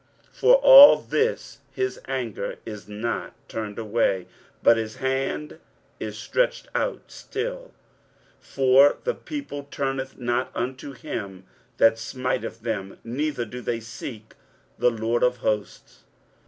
For all this his anger is not turned away, but his hand is stretched out still. 23:009:013 For the people turneth not unto him that smiteth them, neither do they seek the LORD of hosts.